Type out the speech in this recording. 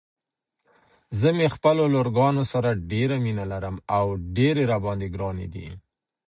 زه مې خپلو لورګانو سره ډيره مينه لرم او ډيرې راباندې ګرانې دي.